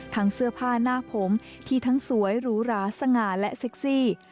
เสื้อผ้าหน้าผมที่ทั้งสวยหรูหราสง่าและเซ็กซี่